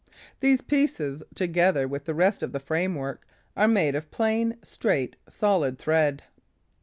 These pieces, together with the rest of the framework, are made of plain, straight, solid thread.